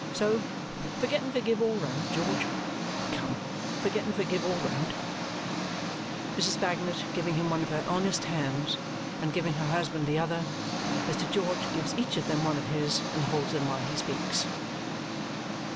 So forget and forgive all round, George. Come! Forget and forgive all round!" Mrs. Bagnet, giving him one of her honest hands and giving her husband the other, Mr. George gives each of them one of his and holds them while he speaks.